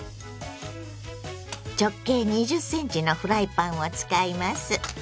直径２０ｃｍのフライパンを使います。